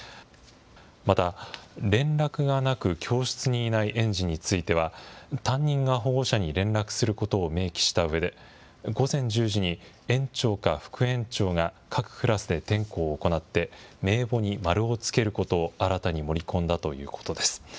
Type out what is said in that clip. また連絡がなく教室にいない園児については、担任が保護者に連絡することを明記したうえで、午前１０時に園長か副園長が各クラスで点呼を行って名簿に丸をつけることを新たに盛り込んだということです。